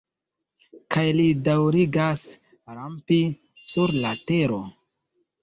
Kaj li daŭrigas rampi sur la tero.